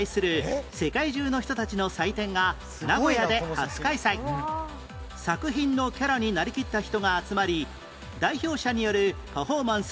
１９年前作品のキャラになりきった人が集まり代表者によるパフォーマンス